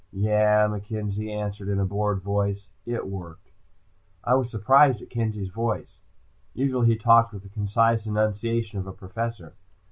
"Yeah," Kenzie answered in a bored voice. "It worked." I was surprised at Kenzie's voice. Usually he talked with the concise enunciation of a professor.